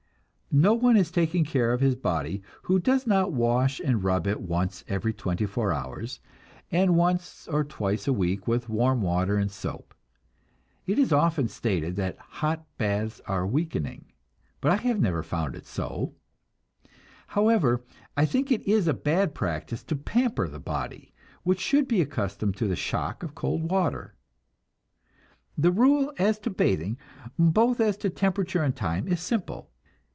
No one is taking care of his body who does not wash and rub it once every twenty four hours, and once or twice a week with warm water and soap. It is often stated that hot baths are weakening, but I have never found it so; however, I think it is a bad practice to pamper the body, which should be accustomed to the shock of cold water. The rule as to bathing, both as to temperature and time, is simple.